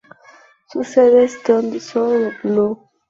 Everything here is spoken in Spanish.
Su sede está en Dessau-Roßlau.